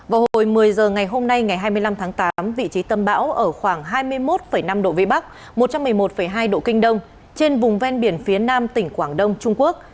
vào hồi một mươi h ngày hôm nay ngày hai mươi năm tháng tám vị trí tâm bão ở khoảng hai mươi một năm độ vĩ bắc một trăm một mươi một hai độ kinh đông trên vùng ven biển phía nam tỉnh quảng đông trung quốc